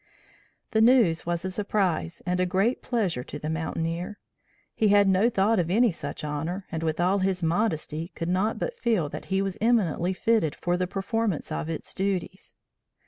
The news was a surprise and a great pleasure to the mountaineer. He had no thought of any such honor and with all his modesty could not but feel that he was eminently fitted for the performance of its duties.